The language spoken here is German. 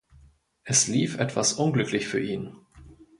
Es lief etwas unglücklich für ihn.